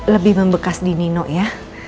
lebih membekas di nino ya